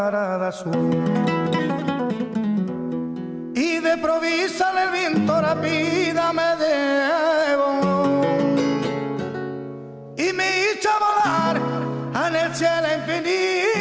jadi kita harus menangis salsa lagi